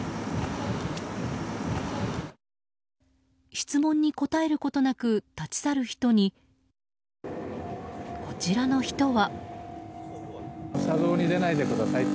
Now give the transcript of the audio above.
質問に答えることなく立ち去る人にこちらの人は。